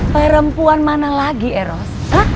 perempuan mana lagi eros